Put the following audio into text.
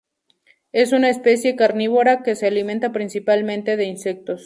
Es un especie carnívora que se alimenta principalmente de insectos.